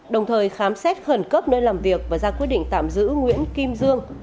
đồng thời khám xét khẩn cấp nơi làm việc và ra quyết định tạm giữ nguyễn kim dương